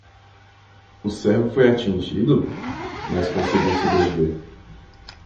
O cervo foi atingido? mas conseguiu sobreviver.